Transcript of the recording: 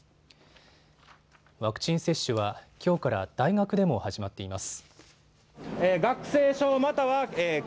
ワクチン接種は、きょうから大学でも始まっています。